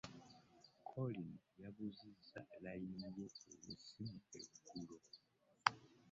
Collin yabuzizzza layini ye ey'essimu eggulo .